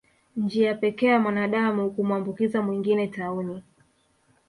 Njia pekee ya mwanadamu kumwambukiza mwingine tauni